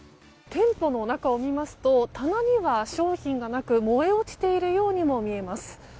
店舗の中を見ますと棚には商品がなく燃え落ちているようにも見えます。